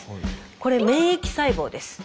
これ免疫細胞です。